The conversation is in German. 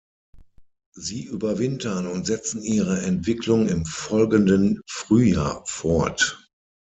Sie überwintern und setzen ihre Entwicklung im folgenden Frühjahr fort.